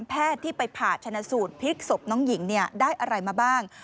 แพทย์ที่ไปผ่าชนะสูตรพลิกศพน้องหญิงได้อะไรมาบ้าง